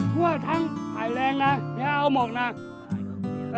พวกทั้งภัยแรงนะเดี๋ยวเอาหมดนะ